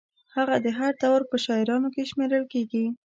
هغه د هر دور په شاعرانو کې شمېرل کېږي.